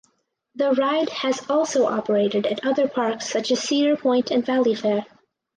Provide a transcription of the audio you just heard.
The ride has also operated at other parks such as Cedar Point and Valleyfair.